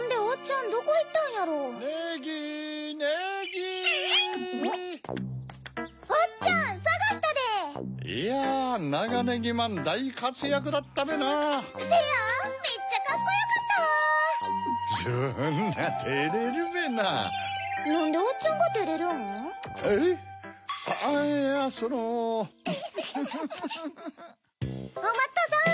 おまっとさん！